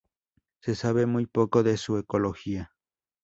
Se sabe muy poco de su ecología.